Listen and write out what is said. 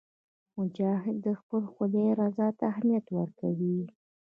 مجاهد د خپل خدای رضا ته اهمیت ورکوي.